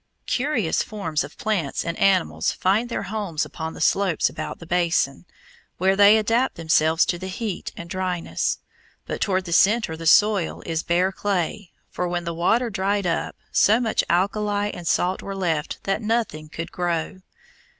Curious forms of plants and animals find their homes upon the slopes about the basin, where they adapt themselves to the heat and dryness. But toward the centre the soil is bare clay, for when the water dried up so much alkali and salt were left that nothing could grow.